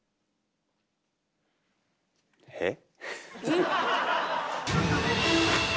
えっ⁉